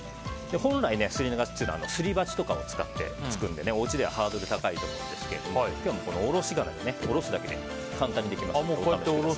本来、すり流しはすり鉢とかを使って作るので、おうちではハードル高いと思うんですけど今日はおろし金で下すだけで簡単にできますので。